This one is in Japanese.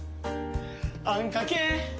あんかけ！